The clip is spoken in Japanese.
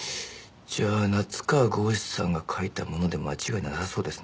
じゃあ夏河郷士さんが書いたもので間違いなさそうですね。